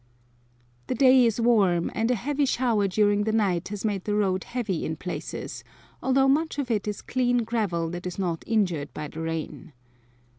The day is warm, and a heavy shower during the night has made the road heavy in places, although much of it is clean gravel that is not injured by the rain.